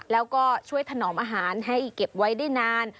แล้วก็ช่วยถนอมอาหารให้เก็บไว้ได้นาน